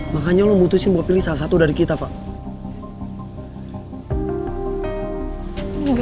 makanya lo memutuskan buat pilih salah satu dari kita fak